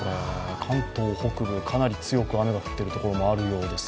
関東北部、かなり強く雨が降っている所もあるようです。